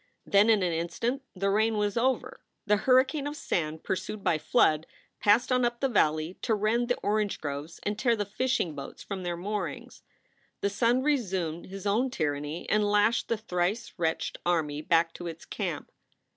Then in an instant the rain was over. The hurricane of sand pursued by flood passed on up the valley, to rend the orange groves and tear the fishing boats from their moorings. The sun resumed his own tyranny and lashed the thrice wretched army back to its camp.